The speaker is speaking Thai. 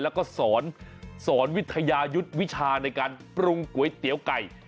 แล้วก็สอนวิทยายุทธ์วิชาในการปรุงก๋วยเตี๋ยวไก่